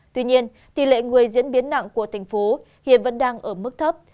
tuy nhiên tỷ lệ người diễn biến nặng của thành phố hiện vẫn đang ở mức thấp